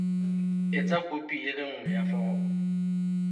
Etsa kopi e le nngwe ya foromo.